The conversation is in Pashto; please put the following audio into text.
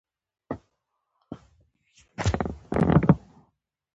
تر اوسه پوري د اوسېدلو ځای نه لرم.